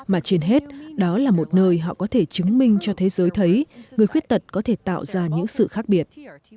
mà trên hết đó là một nơi họ có thể chứng minh cho thế giới thấy người khuyết tật có thể tạo ra những sự khác biệt